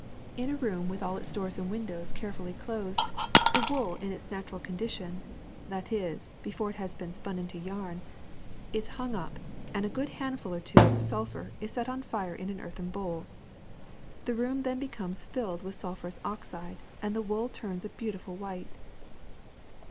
In a room with all its doors and windows carefully closed the wool in WOOL ^9 its natural condition — that is, before it has been spun into yarn — is hung up and a good handful or two of sulphur is set on fire in an earthen bowl. The room then becomes filled with sulphurous oxide and the wool turns a beautiful white.